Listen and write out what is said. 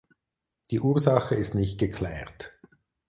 Die Ursache ist nicht geklärt.